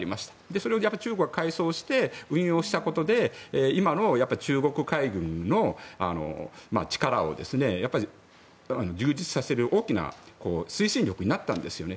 それを中国は改装して運用したことで今の中国海軍の力を充実させる大きな推進力になったんですよね。